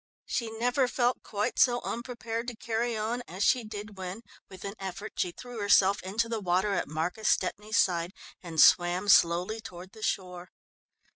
She never felt quite so unprepared to carry on as she did when, with an effort she threw herself into the water at Marcus Stepney's side and swam slowly toward the shore.